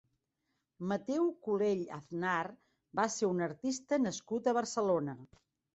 Mateu Culell Aznar va ser un artista nascut a Barcelona.